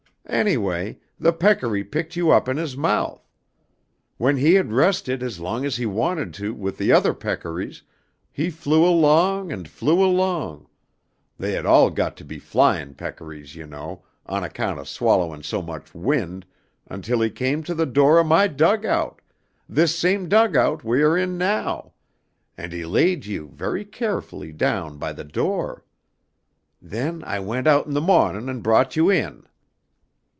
Anyway, the peccary picked you up in his mouth. When he had rested as long as he wanted to with the other peccaries, he flew along and flew along they had all got to be flying peccaries, you know, on account of swallowin' so much wind, until he came to the door of my dugout, this same dugout we are in now, and he laid you very carefully down by the door. Then I went out in the mawnin' and brought you in."